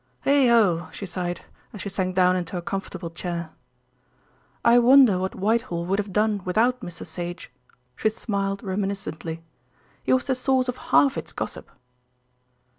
"Heigh ho!" she sighed, as she sank down into a comfortable chair. "I wonder what Whitehall would have done without Mr. Sage;" she smiled reminiscently. "He was the source of half its gossip."